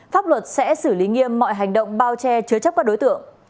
pháp luật sẽ xử lý nghiêm mọi hành động bao che chứa chấp các đối tượng